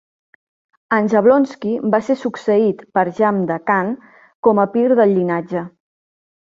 En Jablonski va ser succeït per Shabda Kahn com a Pir del llinatge.